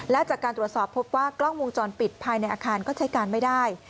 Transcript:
และจากการตรวจสอบพบว่ากล้องวงจรปิดภายในอาคารก็ใช้การไม่ได้